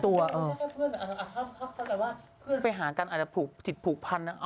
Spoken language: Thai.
แต่ว่าเพื่อนไปหากันอาจจะถิดผูกพันธุ์